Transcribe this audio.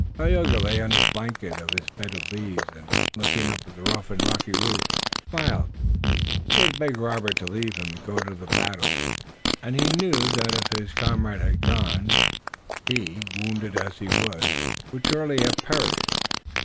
Tayoga lay on his blanket on his bed of leaves, and, looking up at the rough and rocky roof, smiled. He had begged Robert to leave him and go to the battle, and he knew that if his comrade had gone, he, wounded as he was, would surely have perished.